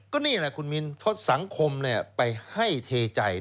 ก็นี่แหละคุณมิ้นเพราะสังคมไปให้เทใจ